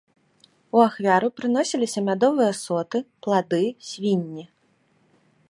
У ахвяру прыносіліся мядовыя соты, плады, свінні.